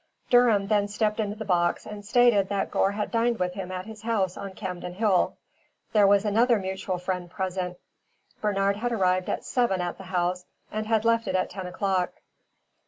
Durham then stepped into the box and stated that Gore had dined with him at his house on Camden Hill. There was another mutual friend present. Bernard had arrived at seven at the house and had left it at ten o'clock.